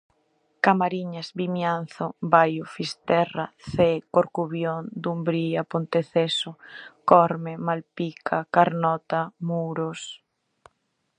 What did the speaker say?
Camariñas, Vimianzo, Baio, Fisterra, Cee, Corcubión, Dumbría, Ponteceso, Corme, Malpica, Carnota, Muros...